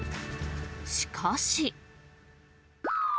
しかし。